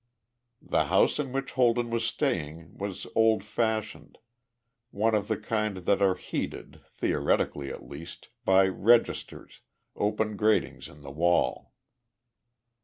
The house in which Holden was staying was old fashioned, one of the kind that are heated, theoretically at least, by "registers," open gratings in the wall.